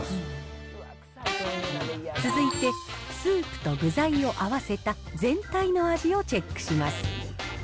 続いて、スープと具材を合わせた全体の味をチェックします。